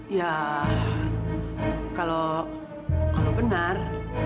ya kalau benar